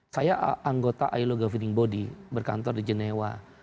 saya anggota ailo gov body berkantor di jenewa